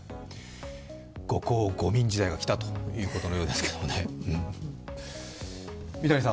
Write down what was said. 五公五民時代が来たということのようですけどもね。